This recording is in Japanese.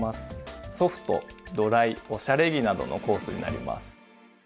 「ソフト」「ドライ」「おしゃれ着」などのコースになります。